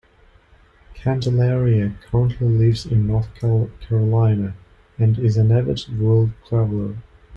Candelaria currently lives in North Carolina, and is an avid world traveler.